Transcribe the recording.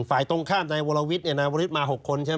ฝ่ายตรงข้ามในวลวิทย์เนี่ยในวลวิทย์มา๖คนใช่ไหม